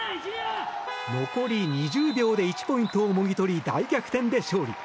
残り２０秒で１ポイントをもぎ取り大逆転で勝利。